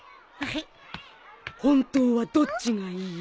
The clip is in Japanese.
本当はどっちがいい？